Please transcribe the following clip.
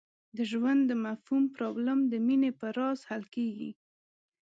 د ژوند د مفهوم پرابلم د مینې په راز حل کېږي.